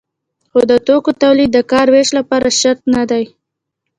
خو د توکو تولید د کار ویش لپاره شرط نه دی.